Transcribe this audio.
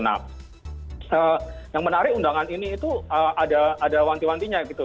nah yang menarik undangan ini itu ada wanti wantinya gitu